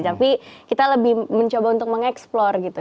tapi kita lebih mencoba untuk mengeksplor gitu